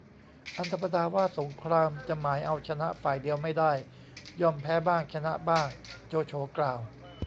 อันธรรมดาว่าสงคราม จะหมายเอาชนะฝ่ายเดียวไม่ได้ ย่อมแพ้บ้างชนะบ้าง โจโฉกล่าว